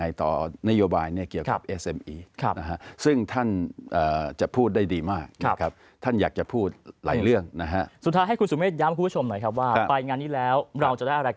ว่าภาครัฐกิจหน้าจะมีอะไรต่อมีบทบาทยังไหวว่าเอเซอมอี